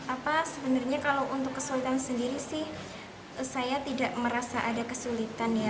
apa sebenarnya kalau untuk kesulitan sendiri sih saya tidak merasa ada kesulitan ya